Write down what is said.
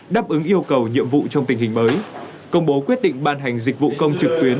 đáp ứng yêu cầu nhiệm vụ trong tình hình mới công bố quyết định ban hành dịch vụ công trực tuyến